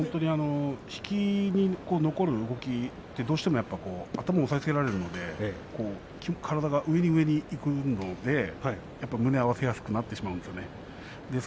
引きに残る動きというのは、どうしても頭を押さえつけられるので体が上にいくので胸を合わせやすくなってしまうんですよね。